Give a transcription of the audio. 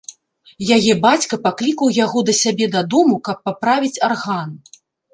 Яе бацька паклікаў яго да сябе дадому, каб паправіць арган.